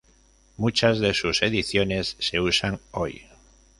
Muchas de sus ediciones se usan hoy.